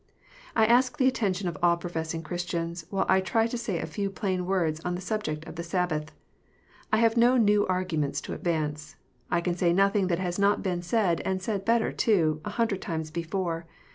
I ask the attention of all professing Christians, while I try to say a few plain words on the subject of the Sabbath. I have no new argument to advance. I can say nothing that has not been said, and said better too, a hundred times before.